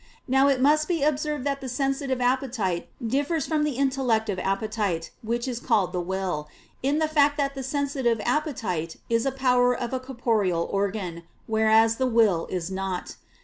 Now it must be observed that the sensitive appetite differs from the intellective appetite, which is called the will, in the fact that the sensitive appetite is a power of a corporeal organ, whereas the will is not.